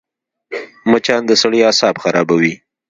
مچان د سړي اعصاب خرابوي